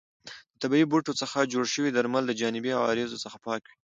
د طبیعي بوټو څخه جوړ شوي درمل د جانبي عوارضو څخه پاک وي.